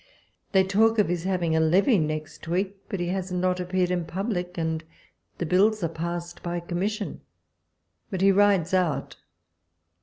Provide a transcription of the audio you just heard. They talk of his having a levee next week, but be has not appeared in public, and the bills are passed by commission ; but he rides out.